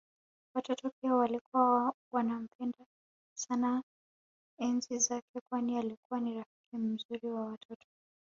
Watoto pia walikuwa wanampenda sana enzi zake kwani alikuwa ni rafiki mzuri wa watoto